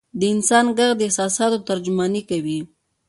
د انسان ږغ د احساساتو ترجماني کوي.